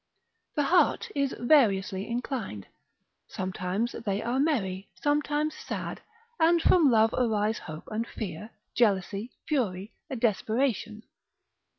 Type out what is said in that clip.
The heart is variously inclined, sometimes they are merry, sometimes sad, and from love arise hope and fear, jealousy, fury, desperation.